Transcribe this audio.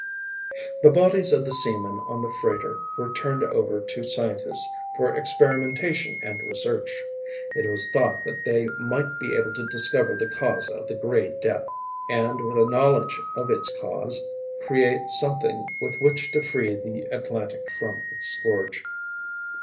The bodies of the seamen on the freighter were turned over to scientists for experimentation and research. It was thought that they might be able to discover the cause of the Gray Death, and with a knowledge of its cause, create something with which to free the Atlantic from its scourge.